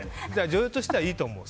女優としてはいいと思う。